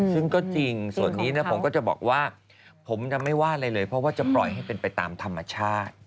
ซึ่งก็จริงส่วนนี้นะผมก็จะบอกว่าผมจะไม่ว่าอะไรเลยเพราะว่าจะปล่อยให้เป็นไปตามธรรมชาติ